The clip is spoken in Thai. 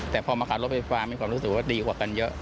แต่พอมาขับรถไฟฟ้ามีความรู้สึกว่าดีกว่ากันเยอะ